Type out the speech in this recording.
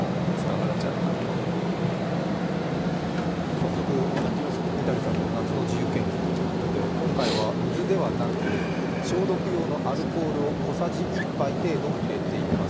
早速、三谷さんと夏の自由研究ということで今回は水ではなく、消毒用のアルコールを小さじ１杯程度入れています。